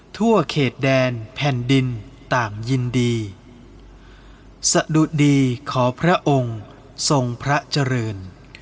ทั่วเขตแดนแผ่นดินต่างยินดีสะดุดีขอพระองค์ทรงพระเจริญ